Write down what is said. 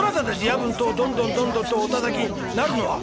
夜分戸をどんどんどんどんとおたたきになるのは」。